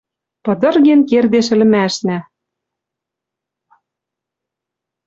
Пыдырген кердеш ӹлӹмашнӓ.